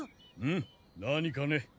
ん？何かね？